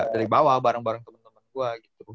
dari bawah bareng bareng temen temen gue